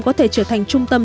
có thể trở thành trung tâm